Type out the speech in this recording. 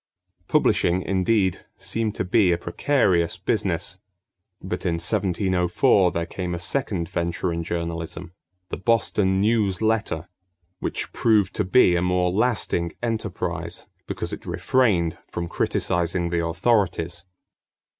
Publishing, indeed, seemed to be a precarious business; but in 1704 there came a second venture in journalism, The Boston News Letter, which proved to be a more lasting enterprise because it refrained from criticizing the authorities.